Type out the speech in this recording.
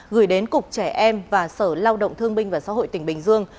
gửi đến cục trẻ em và sở lao động thương binh và xã hội tỉnh bình dương